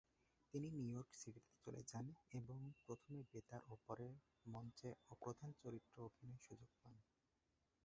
তিনি New York সিটিতে চলে যান এবং প্রথমে বেতারে ও পরে মঞ্চে অপ্রধান চরিত্রে অভিনয়ের সুযোগ পান।